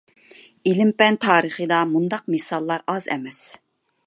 ئىلىم-پەن تارىخىدا مۇنداق مىساللار ئاز ئەمەس.